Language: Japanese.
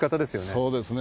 そうですね。